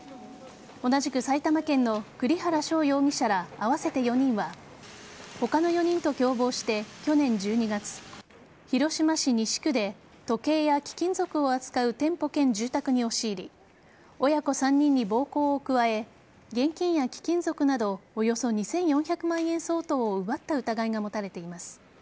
同じく埼玉県の栗原翔容疑者ら合わせて４人は他の４人と共謀して去年１２月広島市西区で時計や貴金属を扱う店舗兼住宅に押し入り親子３人に暴行を加え現金や貴金属などおよそ２４００万円相当を奪った疑いが持たれています。